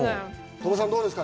鳥羽さん、どうですか。